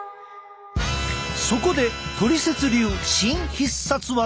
そこでトリセツ流新必殺技！